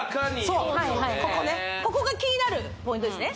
そうここねここが気になるポイントですね